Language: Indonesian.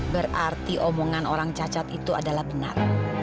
berarti omongan orang cacat itu adalah benar